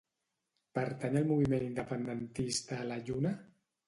Pertany al moviment independentista la Lluna?